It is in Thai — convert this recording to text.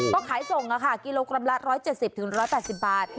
ก็ขายส่งกิโลกรัมละ๑๗๐๑๘๐บาท